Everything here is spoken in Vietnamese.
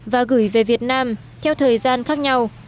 và gửi về việt nam theo thời gian khác nhau